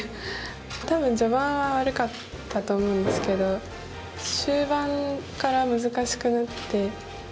多分序盤は悪かったと思うんですけど終盤から難しくなって。